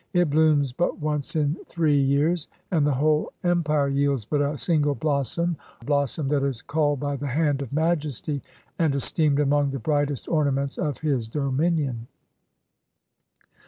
It blooms but once in three 227 CHINA years, and the whole empire yields but a single blossom — a blossom that is culled by the hand of Majesty and esteemed among the brightest ornaments of his domin ion.